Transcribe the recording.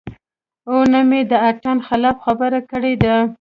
او نۀ مې د اتڼ خلاف خبره کړې ده -